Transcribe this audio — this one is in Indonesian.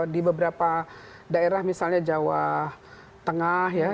di beberapa daerah misalnya jawa tengah ya